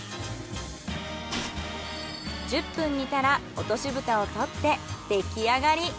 １０分煮たら落し蓋を取って出来上がり。